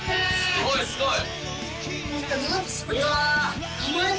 すごい、すごい。